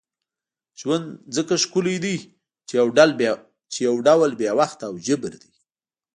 ژوند ځکه ښکلی دی چې یو ډول بې وخته او جبر دی.